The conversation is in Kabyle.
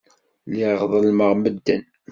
Lliɣ ḍellmeɣ medden.